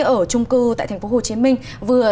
ở trung cư tại tp hcm vừa